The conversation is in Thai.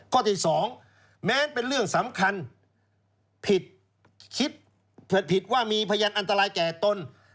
ที่สองแม้เป็นเรื่องสำคัญผิดคิดเผื่อผิดว่ามีพยานอันตรายแก่ตน